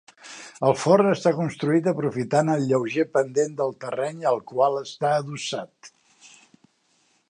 El forn està construït aprofitant el lleuger pendent del terreny al qual està adossat.